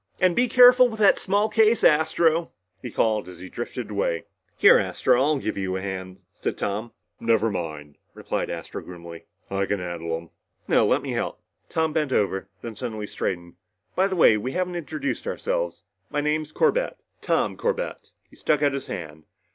"And be careful with that small case, Astro," he called as he drifted away. "Here, Astro," said Tom. "I'll give you a hand." "Never mind," replied Astro grimly. "I can carry 'em." "No, let me help." Tom bent over then suddenly straightened. "By the way, we haven't introduced ourselves. My name's Corbett Tom Corbett." He stuck out his hand.